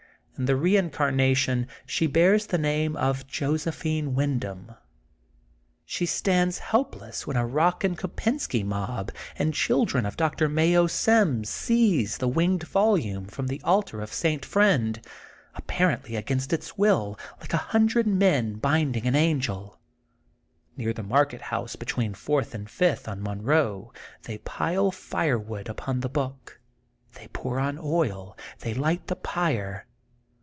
In the reincarnation she bears the name of Josephine Windom. She stands helpless when a Eock and Kopensky mob, and children of Doctor Mayo Sims seize the winged volume from the altar of St. J'riend, apparently against its will, like a hundred men binding an angel. Near the market house between Fourth and Fifth on Monroe they pile fire wood upon the book. They pour on oil. They light the pyre.